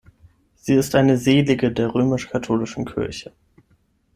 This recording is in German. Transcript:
Sie ist eine Selige der römisch-katholischen Kirche.